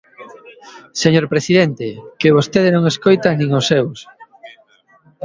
Señor presidente, que vostede non escoita nin os seus.